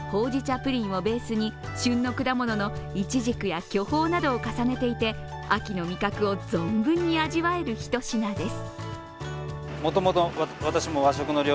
プリンをベースに旬の果物のいちじくや巨峰などを重ねていて、秋の味覚を存分に味わえるひと品です。